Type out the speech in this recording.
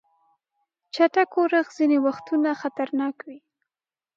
چټک اورښت ځینې وختونه خطرناک وي.